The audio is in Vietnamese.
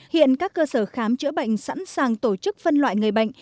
hiện các cơ sở khám chữa bệnh sẵn sàng tổ chức phân loại người bệnh